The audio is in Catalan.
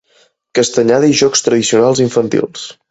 Castanyada i jocs tradicionals i infantils.